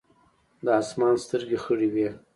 د اسمان سترګې خړې وې ـ